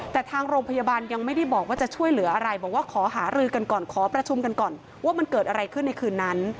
แต่ทางโรงพยาบาลยังไม่ได้บอกว่าจะช่วยเหลืออะไรบอกว่าขอหารือกันก่อนขอประชุมกันก่อนว่ามันเกิดอะไรขึ้นในคืนนั้น